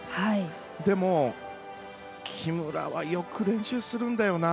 でも、木村はよく練習するんだよな。